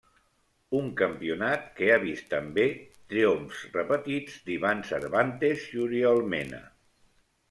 Un campionat que ha vist també triomfs repetits d'Ivan Cervantes i Oriol Mena.